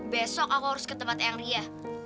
besok aku harus ke tempat eyang ria